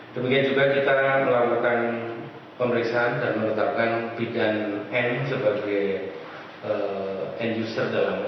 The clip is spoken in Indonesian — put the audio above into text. demikian juga kita melakukan pemeriksaan dan menetapkan bidan n sebagai end user dalam